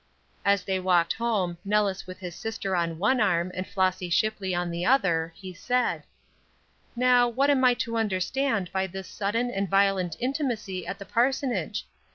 As they walked home, Nellis with his sister on one arm, and Flossy Shipley on the other, he said: "Now, what am I to understand by this sudden and violent intimacy at the parsonage?